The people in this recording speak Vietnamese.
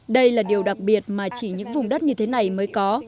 đây là điều đặc biệt mà chỉ những vùng đất như thế này mới có